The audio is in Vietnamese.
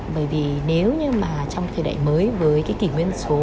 bởi vì nếu như mà trong thời đại mới với cái kỷ nguyên số